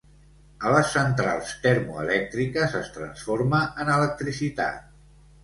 A les centrals termoelèctriques es transforma en electricitat.